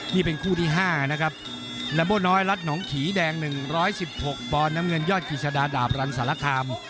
นี่เป็นคู่ที่๕นะครับลัมโบน้อยรัฐหนองขีแดง๑๑๖ปอนด์น้ำเงินยอดกิจสดาดาบรันสารคาม